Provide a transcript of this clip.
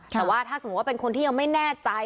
แต่ว่าถ้าสมมุติว่าเป็นคนที่ยังไม่แน่ใจ